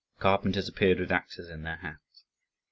Carpenters appeared with axes in their hands.